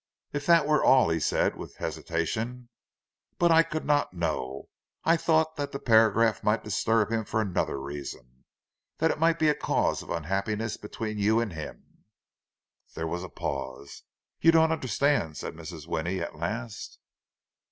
"If that were all—" he said, with hesitation. "But I could not know. I thought that the paragraph might disturb him for another reason—that it might be a cause of unhappiness between you and him—" There was a pause. "You don't understand," said Mrs. Winnie, at last.